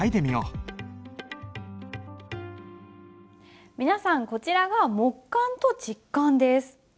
今回は皆さんこちらが木簡と竹簡です。